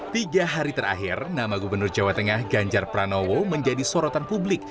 tiga hari terakhir nama gubernur jawa tengah ganjar pranowo menjadi sorotan publik